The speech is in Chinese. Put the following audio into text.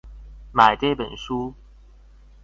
买这本书